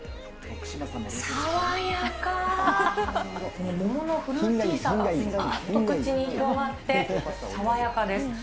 この桃のフルーティーさが口に広がって、爽やかです。